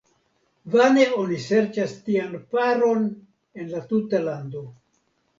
Vane oni serĉas tian paron en la tuta lando.